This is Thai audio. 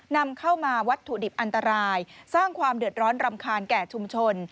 นำเข้ามาวัตถุดิบอันตรายสร้างความเดือดร้อนรำคาญแก่ชุมชน